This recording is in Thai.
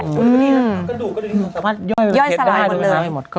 อย่างนี้กระดูกกระดูกสามารถย่อยสลายหมดทั้งหมด